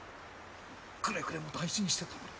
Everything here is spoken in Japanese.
くれぐれも大事にしてたもれ。